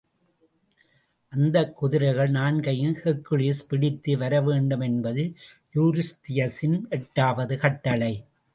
அந்தக் குதிரைகள் நான்கையும் ஹெர்க்குலிஸ் பிடித்து வரவேண்டுமென்பது யூரிஸ்தியஸின் எட்டாவது கட்டளை.